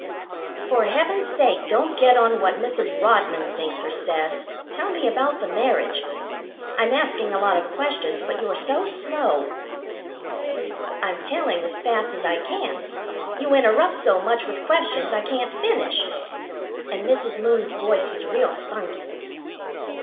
"For Heaven's sake, don't get on what Mrs. Rodman thinks or says. Tell me about the marriage. I'm asking a lot of questions, but you're so slow." "I'm telling as fast as I can. You interrupt so much with questions I can't finish." And Mrs. Moon's voice was real spunky.